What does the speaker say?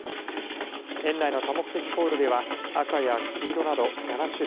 園内の多目的ホールでは赤や黄色など７種類